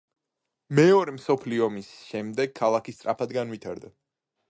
მეორე მსოფლიო ომის შემდეგ ქალაქი სწრაფად განვითარდა.